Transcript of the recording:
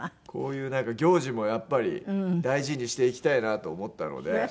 こういう行事もやっぱり大事にしていきたいなと思ったので。